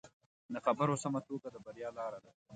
د خبرو سمه توګه د بریا لاره ده